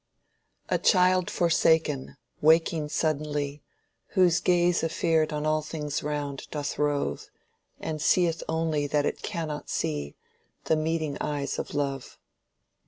"A child forsaken, waking suddenly, Whose gaze afeard on all things round doth rove, And seeth only that it cannot see The meeting eyes of love."